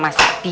masak apa bu